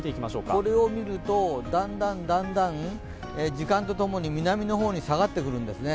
これを見るとだんだん時間とともに南の方に下がってくるんですね。